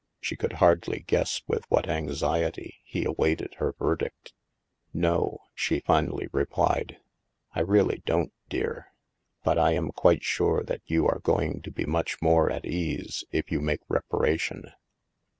She could hardly guess with what anxiety he awaited her verdict. " No," she finally replied, " I really don't, dear. But I am quite sure you are going to be much more at ease if you make reparation."